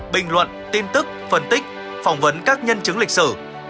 bình luận tin tức phân tích phỏng vấn các nhân chứng lịch sử